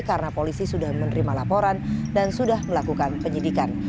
karena polisi sudah menerima laporan dan sudah melakukan penyidikan